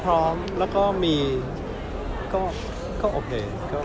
พร้อมแล้วก็มีก็โอเค